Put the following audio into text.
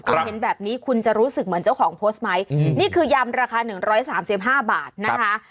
คุณเห็นแบบนี้คุณจะรู้สึกเหมือนเจ้าของโพสต์ไหมนี่คือยำราคา๑๓๕บาทนะคะ